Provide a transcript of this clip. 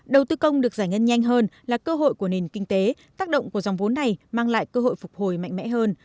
đầu tư công được giải ngân nhanh hơn là cơ hội của nền kinh tế tác động của dòng vốn này mang lại cơ hội phục hồi mạnh mẽ hơn